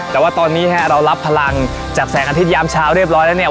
แต่ว่าตอนนี้ฮะเรารับพลังจากแสงอาทิตยามเช้าเรียบร้อยแล้วเนี่ย